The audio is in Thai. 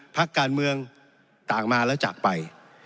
พักการเมืองต่างมาแล้วจากไป